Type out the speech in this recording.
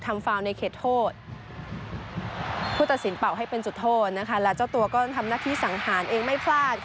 ฟาวในเขตโทษผู้ตัดสินเป่าให้เป็นจุดโทษนะคะและเจ้าตัวก็ทำหน้าที่สังหารเองไม่พลาดค่ะ